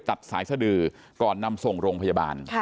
ตัดสายสดือก่อนนำส่งโรงพยาบาล